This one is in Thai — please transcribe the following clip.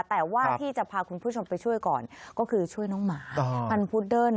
แต่ว่าที่จะพาคุณผู้ชมไปช่วยก่อนก็คือช่วยน้องหมาพันธุดเดิ้ล